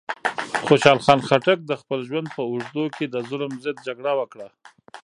خوشحال خان خټک د خپل ژوند په اوږدو کې د ظلم ضد جګړه وکړه.